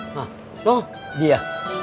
hah loh dia